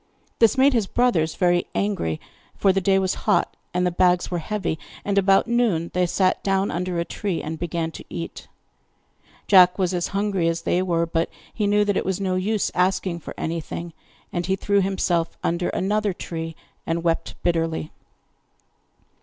This made his brothers very angry, for the day was hot and the bags were heavy, and about noon they sat down under a tree and began to eat. Jack was as hungry as they were, but he knew that it was no use asking for anything; and he threw himself under another tree, and wept bitterly.